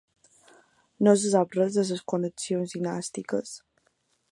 No se'n sap res de les seves connexions dinàstiques.